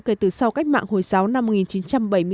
kể từ sau cách mạng hồi giáo năm một nghìn chín trăm bảy mươi năm